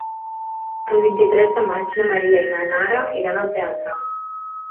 El vint-i-tres de maig na Maria i na Nara iran al teatre.